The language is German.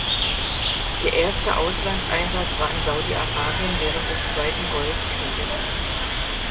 Ihr erster Auslandseinsatz war in Saudi-Arabien während des Zweiten Golfkrieges.